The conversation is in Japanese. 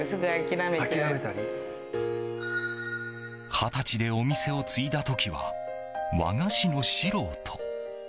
二十歳でお店を継いだ時は和菓子の素人。